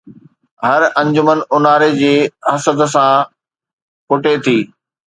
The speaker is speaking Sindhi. هر انجمن اونهاري جي حسد سان ڦٽي ٿي